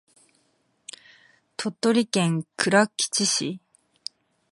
鳥取県倉吉市